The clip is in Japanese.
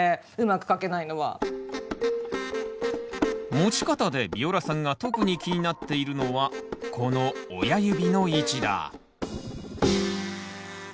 持ち方でビオラさんが特に気になっているのはこの親指の位置だ。